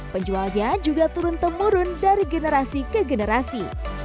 penjualnya juga turun temurun dari generasi ke generasi